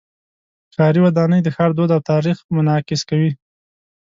ښاري ودانۍ د ښار دود او تاریخ منعکس کوي.